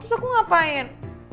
terus aku ngapain